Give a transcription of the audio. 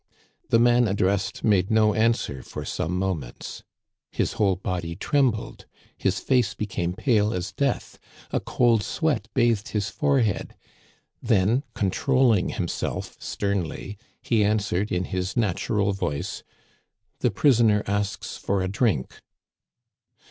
The man addressed made no answer for some mo ments. His whole body trembled, his face became pale as death, a cold sweat bathed his forehead ; then, con trolling himself sternly, he answered in his natural voice :" The prisoner asks for a drink."